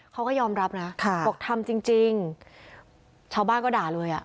เขาก็ยอมรับนะบอกทำจริงจริงชาวบ้านก็ด่าเลยอ่ะ